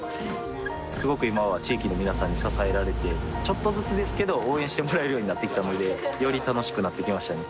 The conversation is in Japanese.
すごく今は地域の皆さんに支えられてちょっとずつですけど応援してもらえるようになってきたのでより楽しくなってきましたね